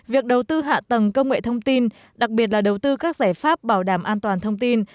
việc đầu tư hạ tầng công nghệ thông tin đặc biệt là đầu tư các giải pháp bảo đảm an toàn thông tin